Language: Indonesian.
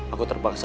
aku terpaksa bawa